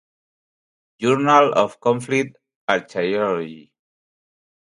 Journal of Conflict Archaeology